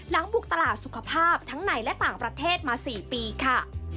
หลังบุกตลาดสุขภาพทั้งในและต่างประเทศมา๔ปีค่ะ